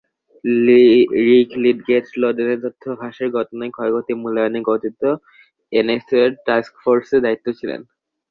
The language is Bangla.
রিক লিডগেট স্নোডেনের তথ্য ফাঁসের ঘটনায় ক্ষয়ক্ষতি মূল্যায়নে গঠিত এনএসএর টাস্কফোর্সের দায়িত্বে আছেন।